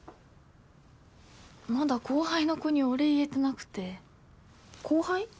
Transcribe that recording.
まだ後輩の子にお礼言えてなくて後輩？